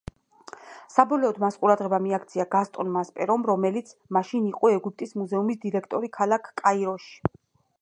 საბოლოოდ მას ყურადღება მიაქცია გასტონ მასპერომ, რომელიც მაშინ იყო ეგვიპტის მუზეუმის დირექტორი ქალაქ კაიროში.